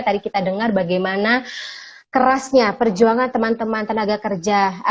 tadi kita dengar bagaimana kerasnya perjuangan teman teman tenaga kerja